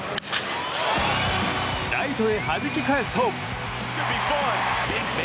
ライトへはじき返すと。